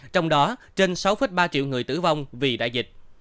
trong đó trên sáu ba triệu người tử vong vì đại dịch